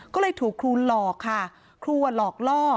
ก็เลยถูกครูหลอกค่ะครูหลอกล่อ